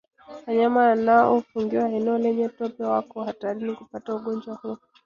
Wanyama wanaofungiwa eneo lenye tope wako hatarini kupata ugonjwa huu